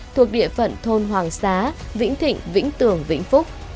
thuộc địa phận thôn hoàng xá vĩnh thịnh vĩnh tường vĩnh phúc